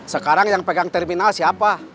sekarang yang pegang terminal siapa